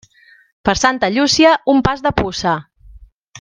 Per Santa Llúcia un pas de puça.